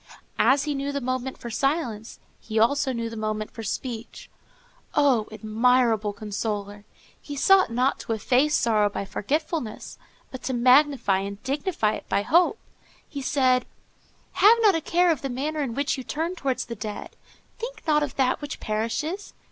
As he knew the moment for silence he knew also the moment for speech. Oh, admirable consoler! He sought not to efface sorrow by forgetfulness, but to magnify and dignify it by hope. He said:— "Have a care of the manner in which you turn towards the dead. Think not of that which perishes.